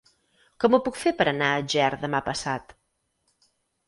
Com ho puc fer per anar a Ger demà passat?